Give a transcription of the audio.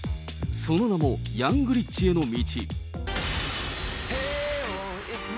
その名もヤングリッチへの道。